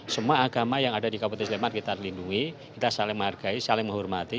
semua agama yang ada di kabupaten sleman kita lindungi kita saling menghargai saling menghormati